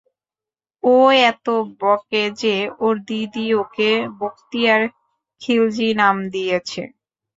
ও এত বকে যে, ওর দিদি ওকে বক্তিয়ার খিলিজি নাম দিয়েছে।